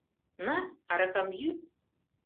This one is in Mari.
На, аракам йӱ.